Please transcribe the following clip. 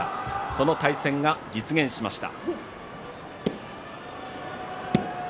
その対戦が実現しました。